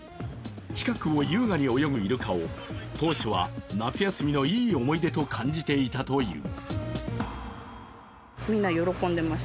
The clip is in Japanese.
近くを優雅に泳ぐイルカを、当初は夏休みのいい思い出と感じていたという。